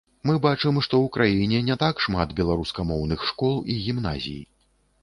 Мы бачым, што ў краіне не так шмат беларускамоўных школ і гімназій.